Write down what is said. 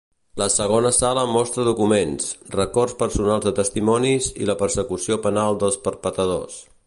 La segona sala mostra documents, records personals de testimonis i la persecució penal dels perpetradors.